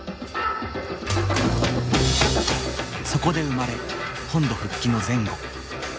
そこで生まれ本土復帰の前後